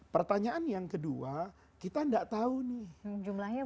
pertanyaan yang kedua kita nggak tahu nih